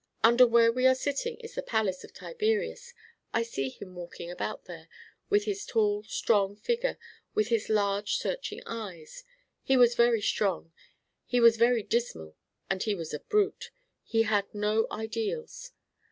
Under where we are sitting is the Palace of Tiberius. I see him walking about there, with his tall, strong figure, with his large, searching eyes: he was very strong, he was very dismal and he was a brute. He had no ideals.